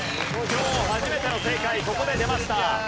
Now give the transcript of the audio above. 今日初めての正解ここで出ました。